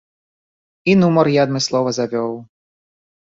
І нумар я адмыслова завёў.